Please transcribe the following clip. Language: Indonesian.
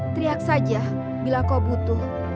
teriak saja bila kau butuh